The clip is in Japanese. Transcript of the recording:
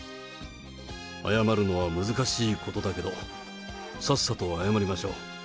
謝るのは難しいことだけど、さっさと謝りましょう。